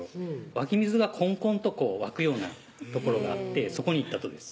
湧き水がこんこんと湧くような所があってそこに行ったとです